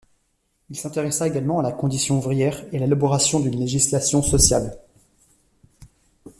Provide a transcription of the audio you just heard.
Il s'intéressa également à la condition ouvrière et à l'élaboration d'une législation sociale.